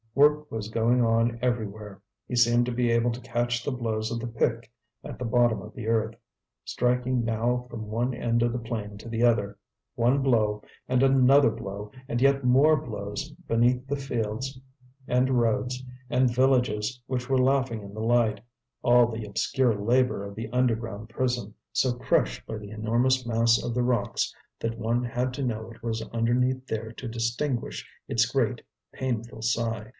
Work was going on everywhere; he seemed to be able to catch the blows of the pick at the bottom of the earth, striking now from one end of the plain to the other, one blow, and another blow, and yet more blows, beneath the fields and roads and villages which were laughing in the light, all the obscure labour of the underground prison, so crushed by the enormous mass of the rocks that one had to know it was underneath there to distinguish its great painful sigh.